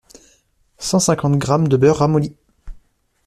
cent cinquante grammes de beurre ramolli